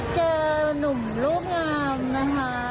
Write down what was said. หนุ่มรูปงามนะคะ